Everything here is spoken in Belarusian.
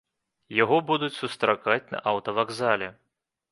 Яго будуць сустракаць на аўтавакзале.